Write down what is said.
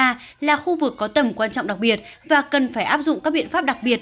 a là khu vực có tầm quan trọng đặc biệt và cần phải áp dụng các biện pháp đặc biệt